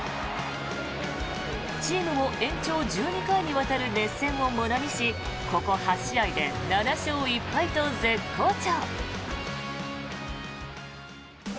チームも延長１２回にわたる熱戦をものにしここ８試合で７勝１敗と絶好調。